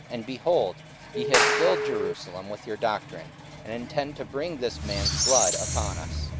and, behold, ye have filled Jerusalem with your doctrine, and intend to bring this man's blood upon us.